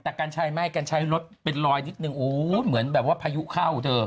แต่กัญชัยไม่กัญชัยรถเป็นรอยนิดนึงโอ้เหมือนแบบว่าพายุเข้าเธอ